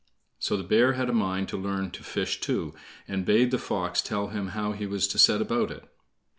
So the bear had a mind to learn to fish, too, and bade the fox tell him how he was to set about it.